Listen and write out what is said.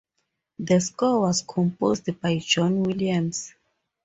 The score was composed by John Williams.